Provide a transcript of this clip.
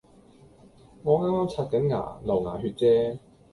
我啱啱刷緊牙，流牙血啫